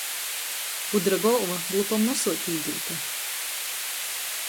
Gudra golva, glupam nosuot īdūta.